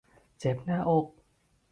เจ็บหน้าอก